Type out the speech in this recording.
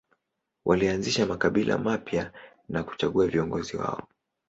Walianzisha makabila mapya na kuchagua viongozi wao.